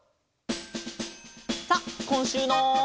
さあこんしゅうの。